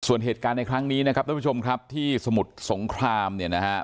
ส่วนเหตุการณ์ในครั้งนี้นะครับท่านผู้ชมครับที่สมุทรสงครามเนี่ยนะฮะ